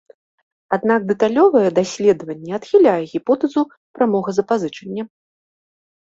Аднак дэталёвае даследаванне адхіляе гіпотэзу прамога запазычання.